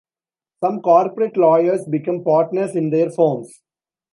Some corporate lawyers become partners in their firms.